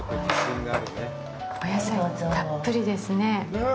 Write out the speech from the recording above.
お野菜たっぷりですね。